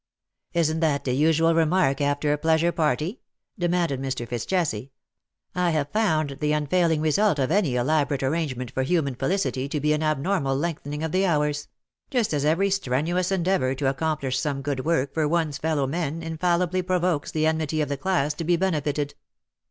'^ Isn't that the usual remark after a pleasure party V' demanded Mr. Fitz Jesse. " I have found the unfailing result of any elaborate arrangement for human felicity to be an abnormal lengthening of the hours ; just as every strenuous endeavour to accomplish some good work for one's fellow men infallibly provokes the enmity of the class to be benefited.'